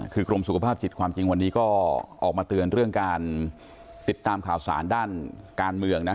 คือกรมสุขภาพจิตความจริงวันนี้ก็ออกมาเตือนเรื่องการติดตามข่าวสารด้านการเมืองนะ